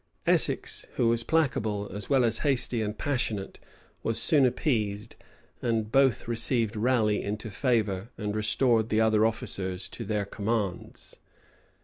Essex, who was placable, as well as hasty and passionate, was soon appeased, and both received Raleigh into favor, and restored the other officers to then commands.